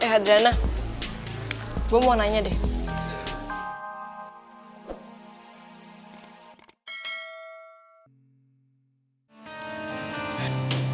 eh adriana gue mau nanya deh